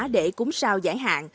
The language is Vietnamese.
để cúng sao giải hạn